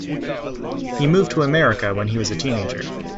He moved to America when he was a teenager.